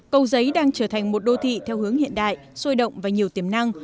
cầu giấy đang trở thành một đô thị theo hướng hiện đại sôi động và nhiều tiềm năng